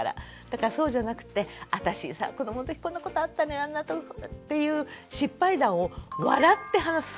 だからそうじゃなくて私子どものときこんなことあったのよあんなことっていう失敗談を笑って話す。